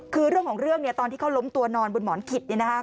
คือเรื่องของเรื่องเนี่ยตอนที่เขาล้มตัวนอนบนหมอนขิดเนี่ยนะคะ